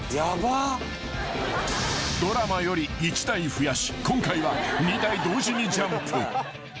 ［ドラマより１台増やし今回は２台同時にジャンプ］